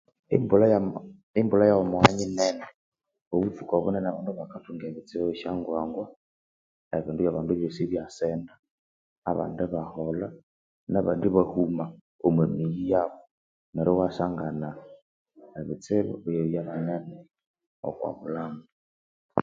Embulha yamawa nyinene obuthuku obunene abandu bakathunga ebitsibu ebyasyangwangwa ebindu byabandu ebyosi ibyasenda abandi ibaholha nabandi ibaghuma omwamiyi yabu neryo iwasagana ebitsibu ibabya binene omobulhambo